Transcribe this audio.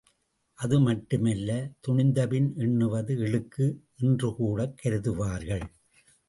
அதுமட்டுமல்ல துணிந்தபின் எண்ணுவது இழுக்கு என்றுகூடக் கருதுவார்கள்.